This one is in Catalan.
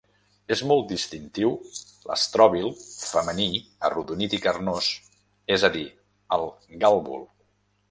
És molt distintiu l'estròbil femení arrodonit i carnós, és a dir el gàlbul.